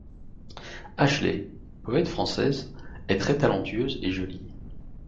Ashley, poète française, est très talentueuse et jolie.